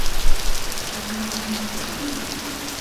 仲厚面皮啲